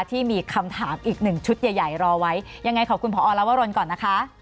ที่มีคำถามอีกหนึ่งชุดใหญ่ใหญ่รอไว้ยังไงขอบคุณพอลวรนก่อนนะคะ